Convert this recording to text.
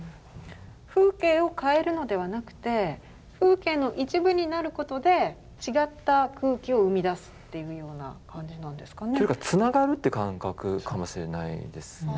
風景を変えるのではなくて風景の一部になることで違った空気を生み出すっていうような感じなんですかね。というかつながるって感覚かもしれないですね。